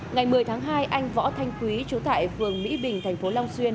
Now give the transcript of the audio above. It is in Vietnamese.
ngày một mươi tháng hai anh võ thanh quý chú tại phường mỹ bình thành phố long xuyên